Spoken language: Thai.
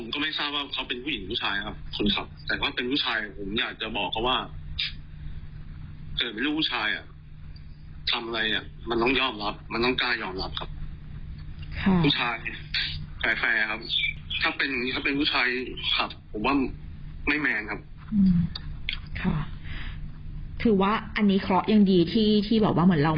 ครับผมว่าไม่แมนครับค่ะคือว่าอันนี้เคราะห์ยังดีที่ที่บอกว่าเกิดแล้ว